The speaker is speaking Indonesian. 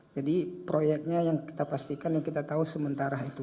jadi proyeknya yang kita pastikan yang kita tahu sementara itu